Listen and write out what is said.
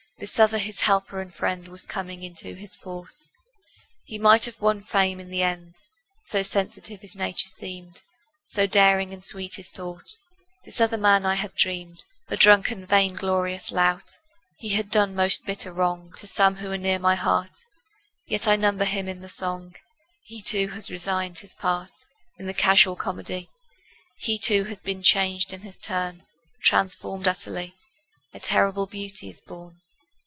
This other his helper and friend Was coming into his force; He might have won fame in the end, So sensitive his nature seemed, So daring and sweet his thought. This other man I had dreamed A drunken, vain glorious lout. He had done most bitter wrong To some who are near my heart, Yet I number him in the song; He, too, has resigned his part In the casual comedy; He, too, has been changed in his turn, Transformed utterly: A terrible beauty is born.